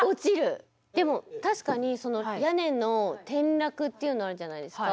でも確かに屋根の転落っていうのあるじゃないですか。